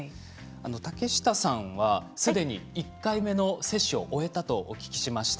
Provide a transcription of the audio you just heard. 竹下さんはすでに１回目の接種を終えたとお聞きしました。